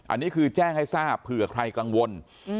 อันนี้คือแจ้งให้ทราบเผื่อใครกังวล